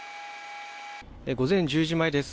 午前１０時前です。